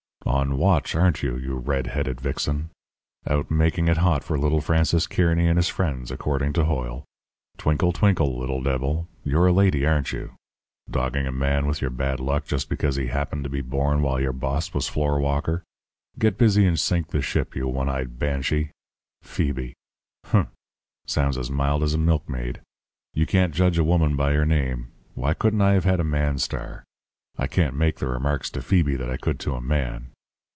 "'On watch, aren't you, you red headed vixen? Out making it hot for little Francis Kearny and his friends, according to Hoyle. Twinkle, twinkle, little devil! You're a lady, aren't you? dogging a man with your bad luck just because he happened to be born while your boss was floorwalker. Get busy and sink the ship, you one eyed banshee. Phoebe! H'm! Sounds as mild as a milkmaid. You can't judge a woman by her name. Why couldn't I have had a man star? I can't make the remarks to Phoebe that I could to a man.